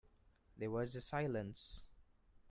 There was a silence.